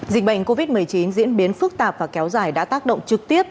dịch bệnh covid một mươi chín diễn biến phức tạp và kéo dài đã tác động trực tiếp